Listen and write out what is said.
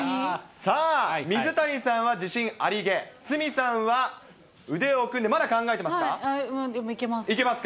さあ、水谷さんは自信ありげ、鷲見さんは腕を組んで、まだ考えでもいけます。